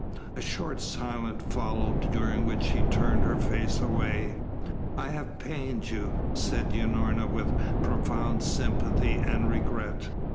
A short silence followed, during which she turned her face away. "I have pained you," said Unorna with profound sympathy and regret.